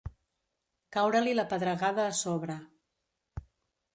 Caure-li la pedregada a sobre.